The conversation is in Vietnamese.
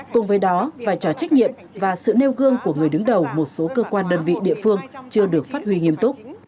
cùng với đó vai trò trách nhiệm và sự nêu gương của người đứng đầu một số cơ quan đơn vị địa phương chưa được phát huy nghiêm túc